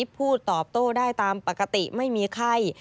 พูดตอบโต้ได้ตามปกติไม่มีไข้